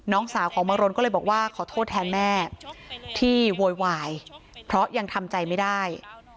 น้องสาวของบังรนก็เลยบอกว่าขอโทษแทนแม่ที่โวยวายเพราะยังทำใจไม่ได้